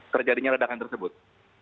sebelumnya yang tersebut